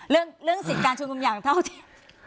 เรื่องเรื่องสิทธิการชุดมุมยังเท่าที่